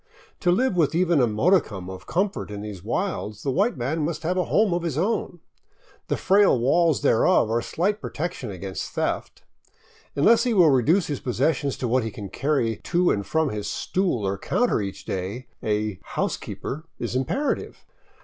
To live with even a modicum of com fort in these wilds the white man must have a home of his own. The frail walls thereof are slight protection against theft. Unless he will reduce his possessions to what he can carry to and from his stool or counter each day, a " housekeeper " is imperative.